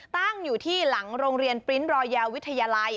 ตั้งอยู่ที่หลังโรงเรียนปริ้นต์รอยาวิทยาลัย